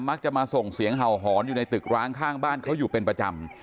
มักจะมาส่งเสียงเห่าหอนอยู่ในตึกร้างข้างบ้านเขาอยู่เป็นประจำ